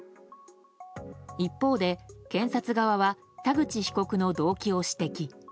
一方で検察側は田口被告の動機を指摘。